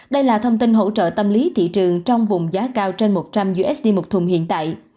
đây là thông tin hỗ trợ tâm lý thị trường trong vùng giá cao trên một trăm linh usd một thùng hiện tại